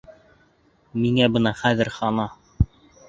Миңә бына хәҙер хана.